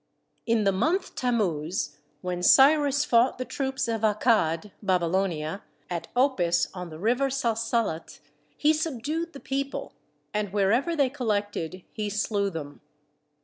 In the month Tammuz, when Cyrus fought the troops of Akkad [Babylonia] at Opis on the river Salsallat, he subdued the people, and wherever they collected, he slew them.